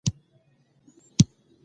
انار د تودوخې په موسم کې هم خوړل کېږي.